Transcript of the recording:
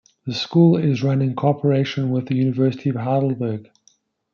The school is run in cooperation with the University of Heidelberg.